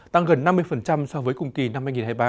tăng gần năm mươi so với cùng kỳ năm hai nghìn hai mươi ba